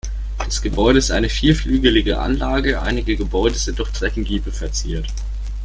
Das Gebäude ist eine vierflügelige Anlage, einige Gebäude sind durch Treppengiebel verziert.